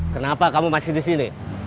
kenapa kamu masih disini